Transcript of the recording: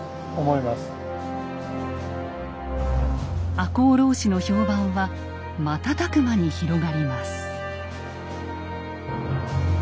赤穂浪士の評判は瞬く間に広がります。